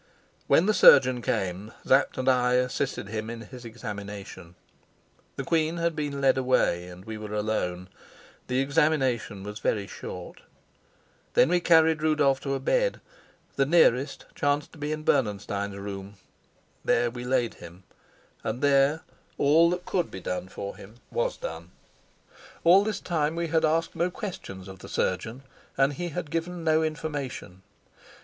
When the surgeon came Sapt and I assisted him in his examination. The queen had been led away, and we were alone. The examination was very short. Then we carried Rudolf to a bed; the nearest chanced to be in Bernenstein's room; there we laid him, and there all that could be done for him was done. All this time we had asked no questions of the surgeon, and he had given no information.